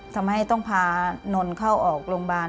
ทำให้ต้องพานนเข้าออกโรงพยาบาล